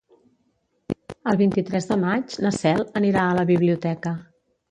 El vint-i-tres de maig na Cel anirà a la biblioteca.